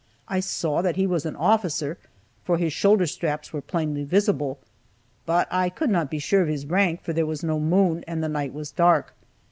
I saw that he was an officer, for his shoulder straps were plainly visible, but I could not be sure of his rank, for there was no moon, and the night was dark.